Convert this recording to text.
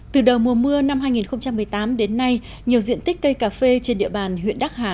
từ đầu mùa mưa năm hai nghìn một mươi tám đến nay nhiều diện tích cây cà phê trên địa bàn huyện đắc hà